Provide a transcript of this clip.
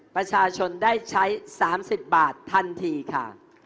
ประชาชนได้ใช้๓๐บาททันทีค่ะ